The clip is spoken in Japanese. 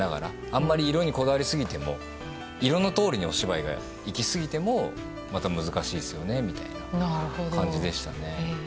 あんまり色にこだわりすぎても色のとおりにお芝居がいき過ぎてもまた難しいですよねという感じでしたね。